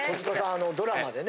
あのドラマでね。